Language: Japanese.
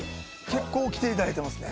結構来ていただいてますね